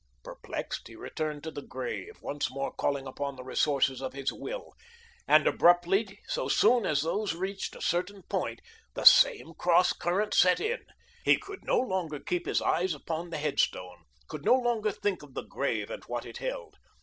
Perplexed, he returned to the grave, once more calling upon the resources of his will, and abruptly, so soon as these reached a certain point, the same cross current set in. He could no longer keep his eyes upon the headstone, could no longer think of the grave and what it held.